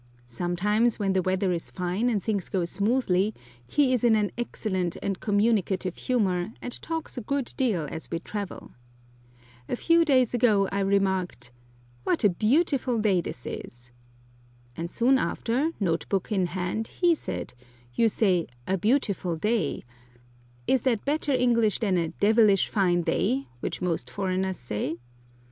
Sometimes, when the weather is fine and things go smoothly, he is in an excellent and communicative humour, and talks a good deal as we travel. A few days ago I remarked, "What a beautiful day this is!" and soon after, note book in hand, he said, "You say 'a beautiful day.' Is that better English than 'a devilish fine day,' which most foreigners say?"